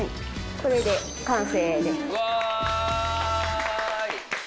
これで完成です。わい！